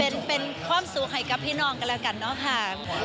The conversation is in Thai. เป็นความสุขให้กับพี่น้องกันแล้วกันเนอะค่ะ